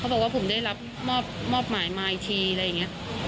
บอกว่าผมได้รับมอบหมายมาอีกทีอะไรอย่างนี้